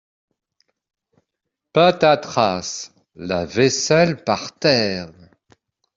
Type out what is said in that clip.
Patatras ! La vaisselle par terre !